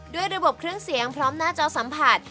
ด้วยระบบเครื่องเสียงพร้อมหน้าจอสัมผัส